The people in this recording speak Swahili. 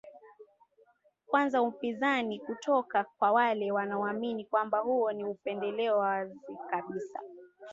kwanza upinzani kutoka kwa wale wanaoamini kwamba huo ni upendeleo wa wazi kabisa